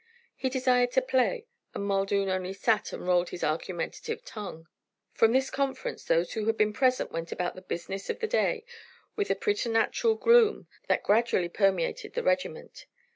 He desired to play, and Muldoon only sat and rolled his argumentative tongue. From this conference those who had been present went about the business of the day with a preternatural gloom that gradually permeated the regiment.